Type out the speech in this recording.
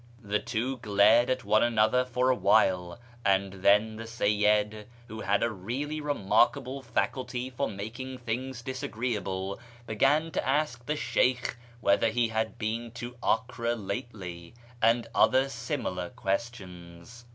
The two glared at one another for a while, and then the Seyyid, who had a really remarkable faculty for making things dis agreeable, began to ask the Sheykh whether he had been to Acre lately, and other similar questions.